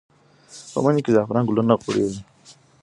په مني کې د زعفرانو ګلونه غوړېږي.